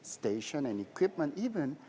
stasiun dan peralatan yang tepat